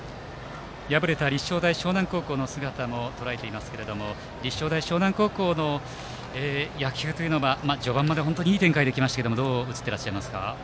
破れた立正大淞南高校の姿もとらえていますが立正大淞南高校の野球というのは序盤までは本当にいい展開で来ましたけれどもどう映っていらっしゃいますか。